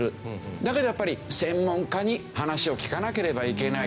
だけどやっぱり専門家に話を聞かなければいけない。